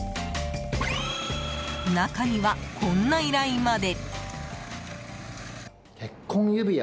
中には、こんな依頼まで。